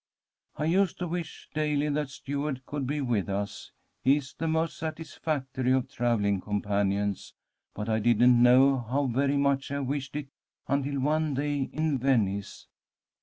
"'I used to wish daily that Stuart could be with us. He is the most satisfactory of travelling companions, but I didn't know how very much I wished it until one day in Venice.